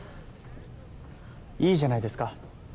いいじゃないですか。